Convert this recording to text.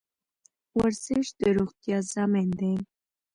ورزش د روغتیا ضامن دی